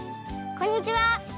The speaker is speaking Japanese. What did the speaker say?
こんにちは。